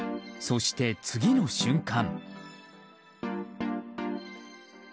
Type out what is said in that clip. そして次の瞬間。